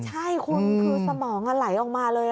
ใช่คุณคือสมองไหลออกมาเลย